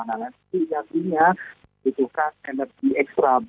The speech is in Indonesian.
nah nanti artinya butuhkan energi ekstra